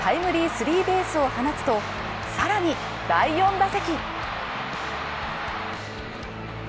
スリーベースを放つと、更に、第４打席。